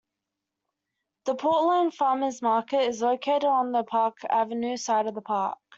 The Portland Farmers Market is located on the Park Avenue side of the park.